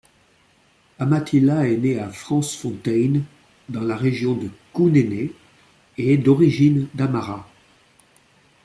Amathila est née à Fransfontein, dans la région de Kunene et est d'origine damaras.